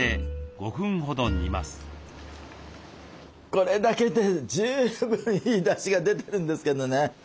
これだけで十分いいだしが出てるんですけどね